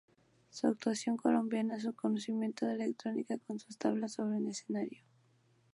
Su actuación combinaba sus conocimientos de electrónica con sus tablas sobre un escenario.